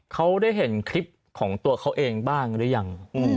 เขาได้เห็นคลิปของตัวเขาเองบ้างหรือยัง